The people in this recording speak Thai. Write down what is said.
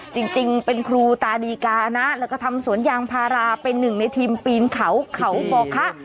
จริงเป็นครูตาดีกานะแล้วก็ทำสวนยางพาราเป็นหนึ่งในทีมปีนเขาเขาบ่อคะ